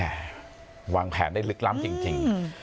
วางแผนได้ลึกล้ำจริง